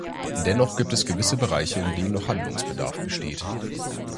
Dennoch gibt es gewisse Bereiche, in denen noch Handlungsbedarf besteht.